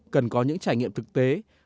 cần có những trải nghiệm thực tế